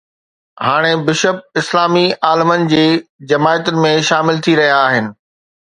هاڻي بشپ ”اسلامي عالمن“ جي جماعتن ۾ شامل ٿي رهيا آهن.